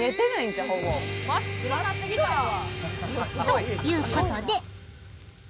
ということで。